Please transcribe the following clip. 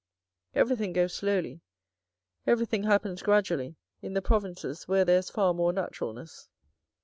Everything goes slowly, everything happens gradually, in the provinces where there is far more naturalness.